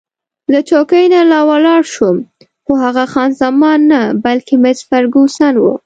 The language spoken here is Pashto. له چوکۍ نه راولاړ شوم، خو هغه خان زمان نه، بلکې مس فرګوسن وه.